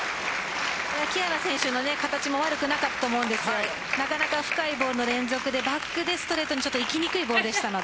木原選手の形も悪くなかったと思うんですがなかなか深いボールの連続でバックでストレートにいきにくいボールでした。